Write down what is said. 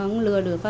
không lừa được